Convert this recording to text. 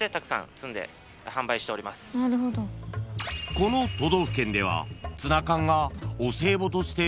［この都道府県では］